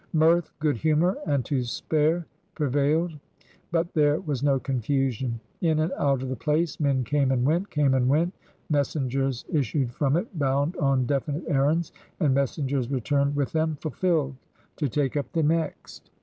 Mirth, good humour and to spare prevailed, but there was no confusion. In and out of the place men came and went, came and went; messengers issued from it bound on definite errands, and messengers returned with them fulfilled, to take up the next.